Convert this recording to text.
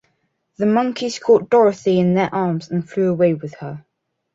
The Monkeys caught Dorothy in their arms and flew away with her.